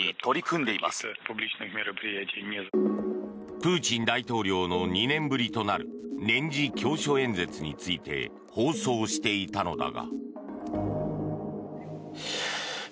プーチン大統領の２年ぶりとなる年次教書演説について放送していたのだが。